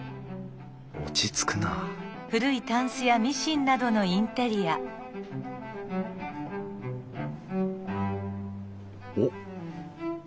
落ち着くなあおっ。